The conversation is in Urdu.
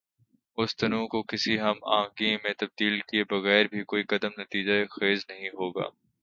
اس تنوع کو کسی ہم آہنگی میں تبدیل کیے بغیربھی کوئی قدم نتیجہ خیز نہیں ہو گا۔